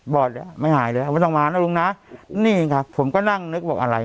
บอดไม่หายเลยเอามาทำหมานะลุงน้านี่ค่ะผมก็นั่งนึกบอกอะไร